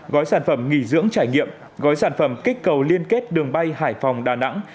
gói sản phẩm nghỉ dưỡng trải nghiệm gói sản phẩm kích cầu liên kết đường bay hải phòng đà nẵng